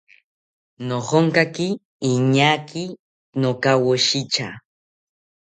Nojonkaki iñaaki nokawoshitya